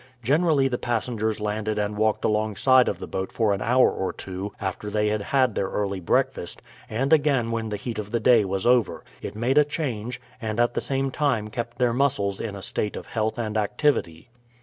Generally the passengers landed and walked alongside of the boat for an hour or two after they had had their early breakfast, and again when the heat of the day was over; it made a change, and at the same time kept their muscles in a state of health and activity.